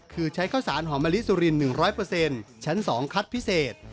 คือใช้ข้าวสารหอมมะลิสุริน๑๐๐ชั้น๒คัดพิเศษ